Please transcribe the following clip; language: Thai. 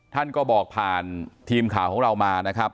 ท่านก็บอกผ่านทีมข่าวของเรามานะครับ